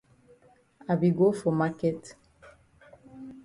I be go for maket.